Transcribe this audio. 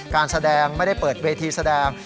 การแสดงไม่ได้เปิดเวทีแสดง